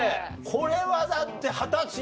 これはだって二十歳の子